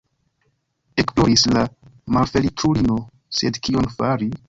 Ekploris la malfeliĉulino, sed kion fari?